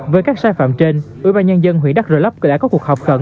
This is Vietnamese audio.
với các sai phạm trên ubnd huyện đắc lấp đã có cuộc họp khẩn